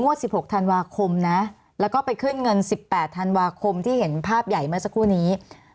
๑๖ธันวาคมนะแล้วก็ไปขึ้นเงิน๑๘ธันวาคมที่เห็นภาพใหญ่เมื่อสักครู่นี้